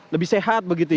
lebih sehat begitu ya